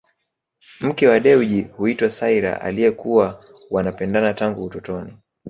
Mke wa Dewji huitwa Saira aliyekuwa wanapendana tangu utotoni